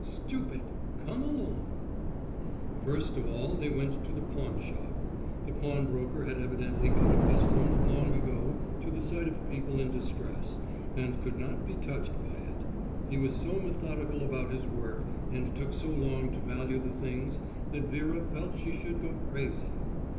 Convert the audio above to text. "Stupid! Come along." First of all they went to the pawnshop. The pawnbroker had evidently got accustomed long ago to the sight of people in distress, and could not be touched by it. He was so methodical about his work, and took so long to value the things, that Vera felt she should go crazy.